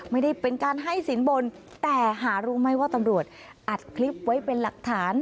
ไม่ได้เป็นการให้สินบนแต่หารู้ไหมว่าตำรวจอัดคลิปไว้เป็นหลักฐาน